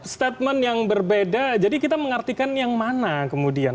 statement yang berbeda jadi kita mengartikan yang mana kemudian